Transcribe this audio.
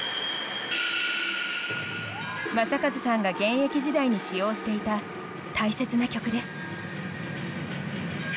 正和さんが現役時代に使用していた大切な曲です。